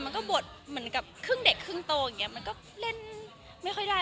มันก็บดเหมือนกับครึ่งเด็กครึ่งโตอย่างนี้มันก็เล่นไม่ค่อยได้